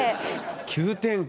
急展開。